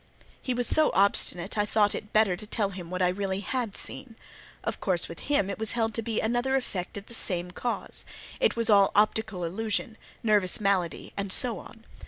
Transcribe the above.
He was so obstinate, I thought it better to tell him what I really had seen. Of course with him it was held to be another effect of the same cause: it was all optical illusion—nervous malady, and so on.